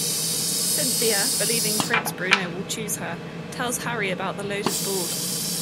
Cynthia, believing Prince Bruno will choose her, tells Harry about the loaded ball.